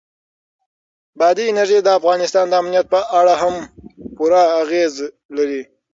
بادي انرژي د افغانستان د امنیت په اړه هم پوره اغېز لري.